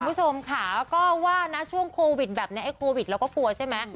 คุณผู้ชมค่ะก็ว่านะช่วงโควิดแบบนี้ไอ้โควิดเราก็กลัวใช่ไหม